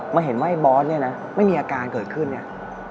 เห็นว่าไอ้บอสเนี่ยนะไม่มีอาการเกิดขึ้นเนี่ย